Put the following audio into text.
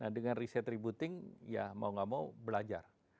nah dengan reset dan rebooting ya mau gak mau belajar